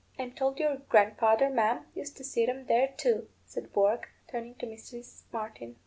I'm told your grandfather, ma'am, used to see 'em there too," said Bourke, turning to Mrs. Martin.